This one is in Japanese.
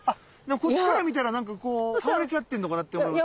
こっちから見たらなんかこう倒れちゃってんのかなって思います。